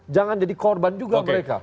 jangan jadi korban juga mereka